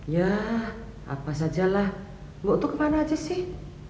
ya apa sajalah mbok tuh kemana aja sih